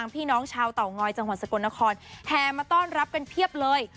พี่น้องชาวเตางอยจังหวัดสกลนครแห่มาต้อนรับกันเพียบเลย